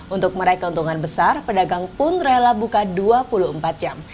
untuk meraih keuntungan besar pedagang pun rela buka dua puluh empat jam